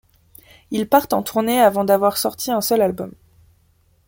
Ils partent en tournée avant d'avoir sorti un seul album.